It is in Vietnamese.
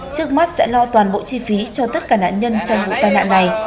trước mắt sẽ lo toàn bộ chi phí cho tất cả nạn nhân trong vụ tai nạn này